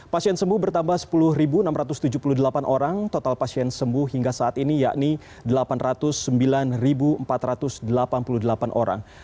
pasien sembuh bertambah sepuluh enam ratus tujuh puluh delapan orang total pasien sembuh hingga saat ini yakni delapan ratus sembilan empat ratus delapan puluh delapan orang